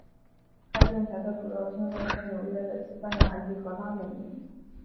该电台的主要听众是纽约的西班牙裔和拉美裔。